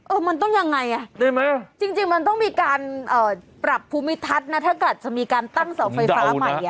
เออมันต้องอย่างไรน่ะจริงมันต้องมีการปรับภูมิทัศน์นะถ้าเกิดจะมีการตั้งเสาไฟฟ้าใหม่